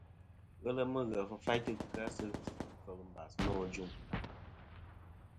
Ghelɨ Mughef fayntɨ kɨ-a sɨ fel mbas nô ajuŋ.